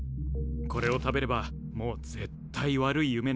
これを食べればもう絶対悪い夢なんか見ない。